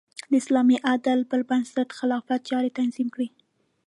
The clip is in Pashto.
د اسلامي عدل پر بنسټ خلافت چارې تنظیم کړې.